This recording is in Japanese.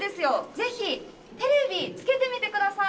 ぜひ、テレビつけてみてください。